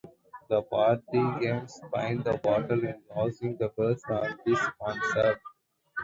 The party game Spin the Bottle is loosely based on this concept.